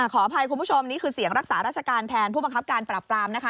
ขออภัยคุณผู้ชมนี่คือเสียงรักษาราชการแทนผู้บังคับการปรับปรามนะคะ